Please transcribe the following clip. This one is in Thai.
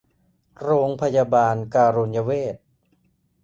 โรงพยาบาลการุญเวช